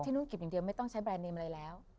นุ่นเก็บอย่างเดียวไม่ต้องใช้แบรนดเนมอะไรแล้ว